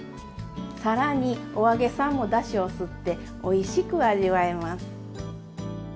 更にお揚げさんもだしを吸っておいしく味わえます。